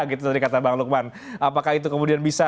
gitu tadi kata bang lukman apakah itu kemudian bisa